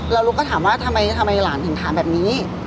แล้วลูกก็ถามว่าทำไมหลานถึงถามแบบนี้